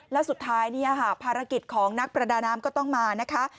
แล้วสุดท้ายภารกิจของนักประดาน้ำก็ต้องมานะคะ